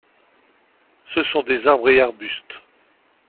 Ce sont des arbres et arbustes.